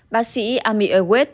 bác sĩ amir awed